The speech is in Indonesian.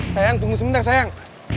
sayang tunggu sebentar sayang